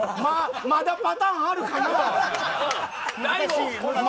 まだパターンあるかな。